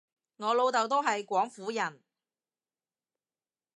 我老豆都係廣府人